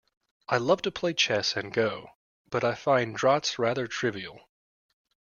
I love to play chess and go, but I find draughts rather too trivial